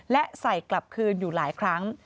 และใส่กลับคืนอยู่หลายครั้ง